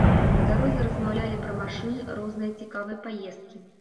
Па дарозе размаўлялі пра машыны, розныя цікавыя паездкі.